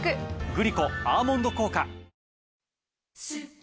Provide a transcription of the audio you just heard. グリコ「アーモンド効果」。